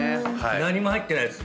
何も入ってないやつ？